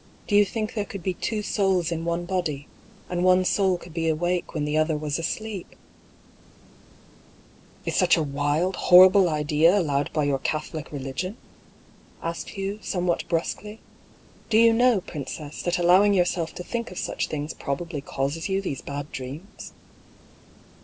Do you think there could be two souls in one body, and one soul could be awake when the other was asleep ?"" Is such a wild, horrible idea allowed by your Catholic religion?" asked Hugh, somewhat brusquely. " Do you know, princess, that allowing yourself to think of such things probably causes you these bad dreams